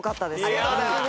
ありがとうございます。